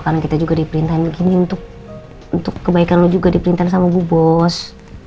karena kita juga diperintahin begini untuk kebaikan lu juga diperintahin sama bu bos